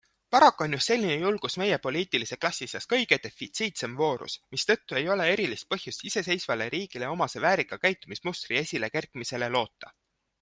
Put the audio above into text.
Paraku on just selline julgus meie poliitilise klassi seas kõige defitsiitsem voorus, mistõttu ei ole erilist põhjust iseseisvale riigile omase väärika käitumismustri esilekerkimisele loota.